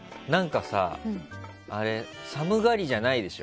寒がりじゃないでしょ？